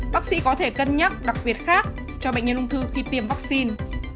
bác sĩ có thể cân nhắc đặc biệt khác cho bệnh nhân ung thư khi tiêm vắc xin